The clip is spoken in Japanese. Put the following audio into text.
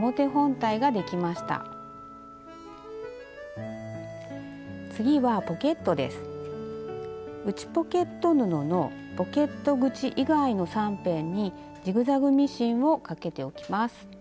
内ポケット布のポケット口以外の３辺にジグザグミシンをかけておきます。